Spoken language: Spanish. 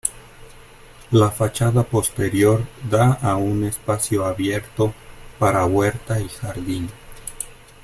La fachada posterior da a un espacio abierto para huerta y jardín.